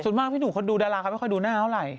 ส่วนมากพี่หนุ่มเขาดูดาราเขาไม่ค่อยดูหน้าเท่าไหร่